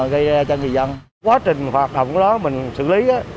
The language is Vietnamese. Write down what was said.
gây ra cho người dân quá trình hoạt động đó mình xử lý á